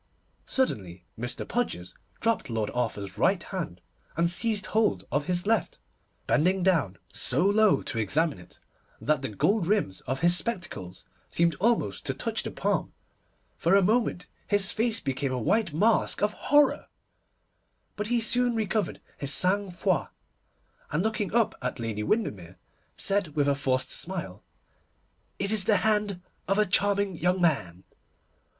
Suddenly Mr. Podgers dropped Lord Arthur's right hand, and seized hold of his left, bending down so low to examine it that the gold rims of his spectacles seemed almost to touch the palm. For a moment his face became a white mask of horror, but he soon recovered his sang froid, and looking up at Lady Windermere, said with a forced smile, 'It is the hand of a charming young man.